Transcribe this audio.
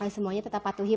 semuanya tetap patuhi